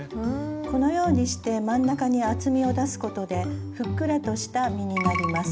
このようにして真ん中に厚みを出すことでふっくらとした実になります。